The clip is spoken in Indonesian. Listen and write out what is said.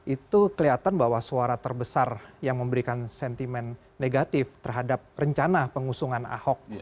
itu kelihatan bahwa suara terbesar yang memberikan sentimen negatif terhadap rencana pengusungan ahok